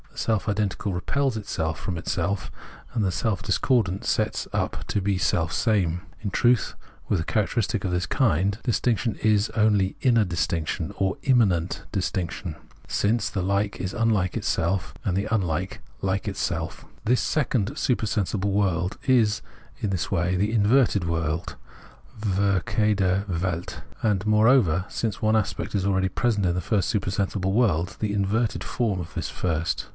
The self identical repels itself from itself, and the self discordant sets up to be selfsame. In truth, with a characteristic of this kind, distinc tion is only inner distinction, or immanent distinction, 152 Phenomenology of Mind since the like is unlike itself, and the unlike like itself. This second supersensible world is in this way the inverted world {verkehrte Welt), and, moreover, since one aspect is abeady present in the first supersensible world, the inverted form of this first.